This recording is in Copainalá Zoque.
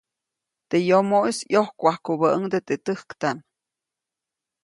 Teʼ yomoʼis ʼyojkwajkubäʼuŋde teʼ täjktaʼm.